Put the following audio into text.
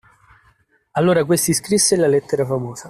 Allora, questi scrisse la lettera famosa.